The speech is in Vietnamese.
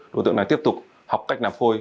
đối tượng này tiếp tục học cách làm phôi